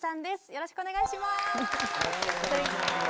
よろしくお願いします。